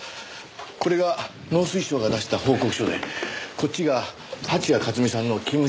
これが農水省が出した報告書でこっちが蜂矢克巳さんの勤務資料です。